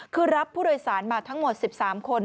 คือรับผู้โดยสารมาทั้งหมด๑๓คน